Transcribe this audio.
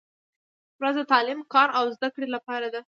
• ورځ د تعلیم، کار او زدهکړې لپاره ده.